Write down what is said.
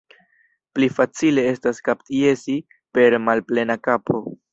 Pli facile estas kapjesi per malplena kapo.